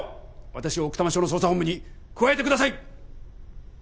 私を奥多摩署の捜査本部に加えてください！